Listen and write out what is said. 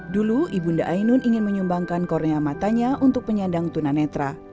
dulu ibu nda ainun ingin menyumbangkan kornea matanya untuk penyandang tunanetra